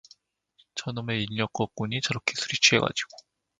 저놈의 인력거꾼이 저렇게 술이 취해 가지고